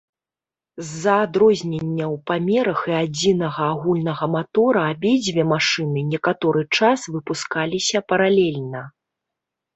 З-за адрознення ў памерах і адзінага агульнага матора абедзве машыны некаторы час выпускаліся паралельна.